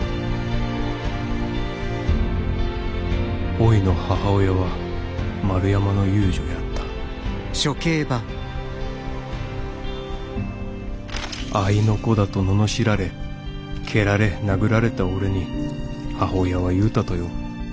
おいの母親は丸山の遊女やった合いの子だと罵られ蹴られ殴られた俺に母親は言うたとよ。